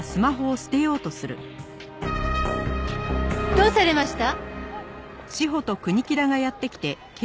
どうされました？